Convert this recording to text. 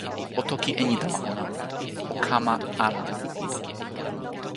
o toki e ni tawa ona: o kama ala.